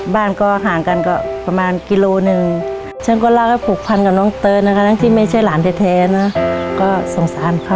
บ้านก็ห่างกันก็ประมาณกิโลหนึ่ง